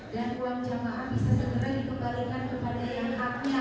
dan peluang jamaah bisa segera dikembalikan kepada yang haknya